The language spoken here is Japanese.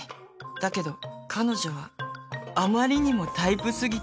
だけど彼女はあまりにもタイプ過ぎた